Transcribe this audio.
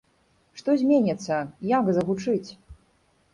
Што зменіцца, як загучыць?